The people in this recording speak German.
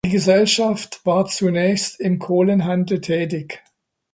Die Gesellschaft war zunächst im Kohlenhandel tätig.